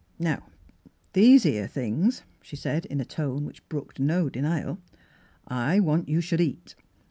" Now these 'ere things," she said, in a tone which brooked no denial, " I want you should eat.